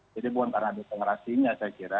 jadi bukan karena deklarasinya saya kira